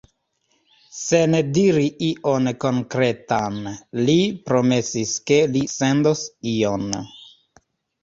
Sen diri ion konkretan, li promesis, ke li sendos ion.